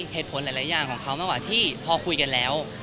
เหตุผลหลายอย่างของเขามากกว่าที่พอคุยกันแล้ว